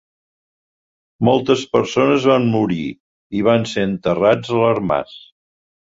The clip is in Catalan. Molts presoners van morir i van ser enterrats a l'ermàs.